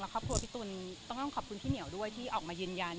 ครอบครัวพี่ตุ๋นต้องขอบคุณพี่เหมียวด้วยที่ออกมายืนยัน